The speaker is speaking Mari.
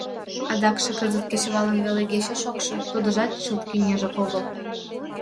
Адакше кызыт кечывалым веле игече шокшо, тудыжат чылт кеҥежак огыл.